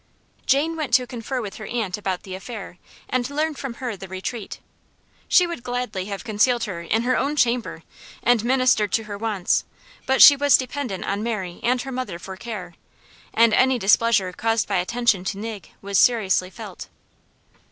Jane went to confer with her Aunt about the affair; and learned from her the retreat. She would gladly have concealed her in her own chamber, and ministered to her wants; but she was dependent on Mary and her mother for care, and any displeasure caused by attention to Nig, was seriously felt.